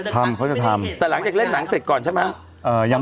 ทำเขาจะทำแต่หลังจากเล่นหนังเสร็จก่อนใช่มั้ยเอ่อยังไม่รู้